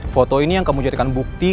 foto ini yang kamu jadikan bukti